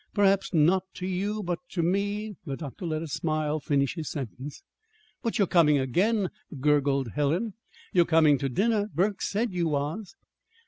"Perhaps not, to you; but to me " The doctor let a smile finish his sentence. "But you're coming again," gurgled Helen. "You're coming to dinner. Burke said you was."